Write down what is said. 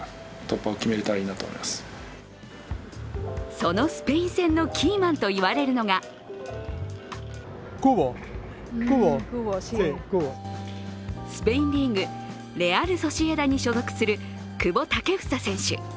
そのスペイン戦のキーマンと言われるのがスペインリーグ、レアル・ソシエダに所属する久保建英選手。